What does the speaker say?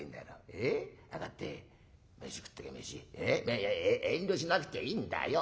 いやいや遠慮しなくていいんだよ。